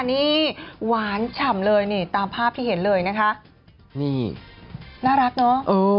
นี่หวานฉ่ำเลยนี่ตามภาพที่เห็นเลยนะคะนี่น่ารักเนอะ